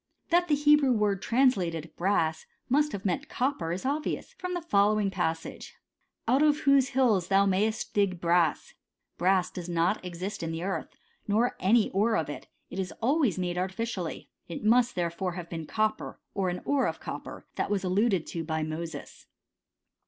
* That the Hebrew word tram* lated brass must have meant copper is obvious, fVom the following passage :'^ Out of whose hills tho!l mayest dig brass/'f Brass does not exist in the eartht nor any ore of it, it is always made artificially ; it must therefore have been copper, or an ore of copper, that was alluded to by Moses.